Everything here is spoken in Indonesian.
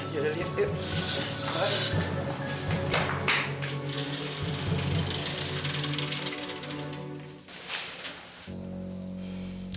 yaudah liat yuk